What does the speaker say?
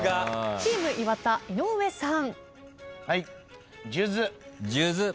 チーム岩田岩田さん。